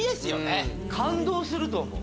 感動すると思う。